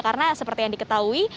karena seperti yang diketahui